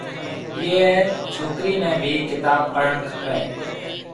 ايئي ڇوڪري نَي ڀِي ڪتاب پڙهڻ کپيَ۔